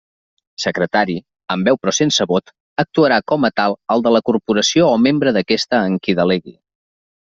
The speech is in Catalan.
Secretari, amb veu però sense vot, actuarà com a tal el de la Corporació o membre d'aquesta en qui delegui.